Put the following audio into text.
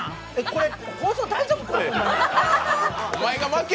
これ、放送大丈夫？